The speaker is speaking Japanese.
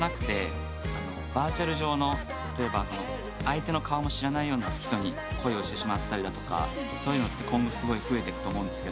例えば相手の顔も知らないような人に恋をしてしまったりだとかそういうのって今後すごい増えてくと思うんですけど。